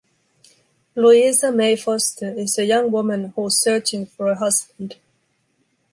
Louisa May Foster is a young woman who’s searching for a husband.